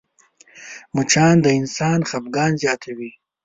مچان د انسان خفګان زیاتوي